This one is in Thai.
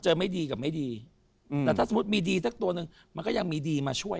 ไม่ดีกับไม่ดีแต่ถ้าสมมุติมีดีสักตัวหนึ่งมันก็ยังมีดีมาช่วย